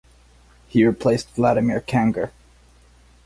He replaced Vladimir Kangur.